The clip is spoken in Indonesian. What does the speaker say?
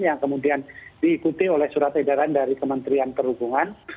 yang kemudian diikuti oleh surat edaran dari kementerian perhubungan